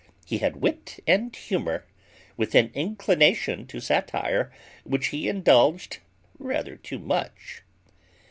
He had wit and humour, with an inclination to satire, which he indulged rather too much.